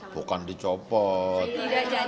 bukan dicopot bukan